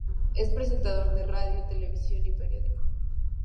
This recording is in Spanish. Es presentador de radio, televisión y periódico.